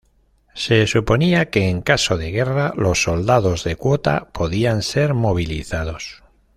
Se suponía que en caso de guerra, los "soldados de cuota" podían ser movilizados.